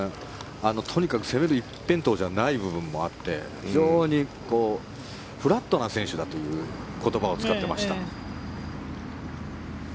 とにかく攻める一辺倒じゃない部分もあって非常にフラットな選手だという言葉を使っていました。